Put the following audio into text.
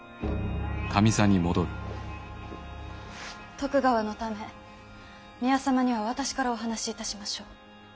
徳川のため宮様には私からお話しいたしましょう。